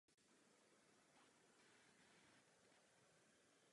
S výjimkou dvou byly později odstraněny a jsou umístěné na boční stěně lodi.